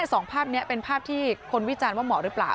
สองภาพนี้เป็นภาพที่คนวิจารณ์ว่าเหมาะหรือเปล่า